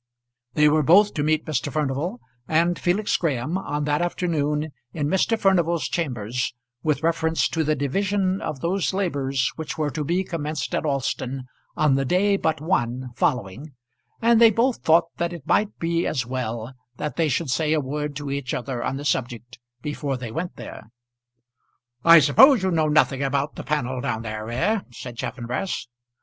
They were both to meet Mr. Furnival and Felix Graham on that afternoon in Mr. Furnival's chambers with reference to the division of those labours which were to be commenced at Alston on the day but one following, and they both thought that it might be as well that they should say a word to each other on the subject before they went there. "I suppose you know nothing about the panel down there, eh?" said Chaffanbrass.